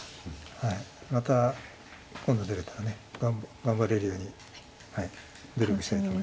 また今度出れたら頑張れるように努力したいと思います。